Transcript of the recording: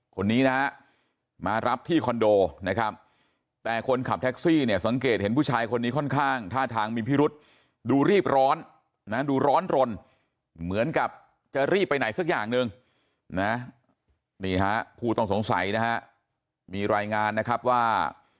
คนนี้นะฮะมารับที่คอนโดนะครับแต่คนขับแท็กซี่เนี่ยสังเกตเห็นผู้ชายคนนี้ค่อนข้างท่าทางมีพิรุษดูรีบร้อนนะดูร้อนรนเหมือนกับจะรีบไปไหนสักอย่างหนึ่งนะนี่ฮะผู้ต้องสงสัยนะฮะมีรายงานนะครับว่า